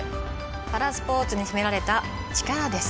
パラスポーツに秘められた力です。